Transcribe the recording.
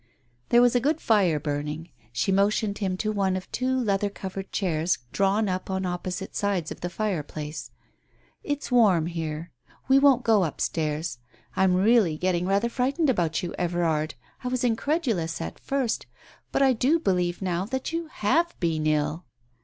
There was a good fire burning, she motioned him to one of two leather covered chairs drawn up on opposite sides of the fireplace. "It's warm here. We won't go upstairs. I am really getting rather , frightened about you, Everard. I was incredulous at first, but I do believe now, that you have been ill."